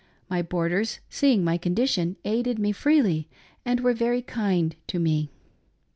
My board ers, seeing my condition, aided me freely and were very kind to me.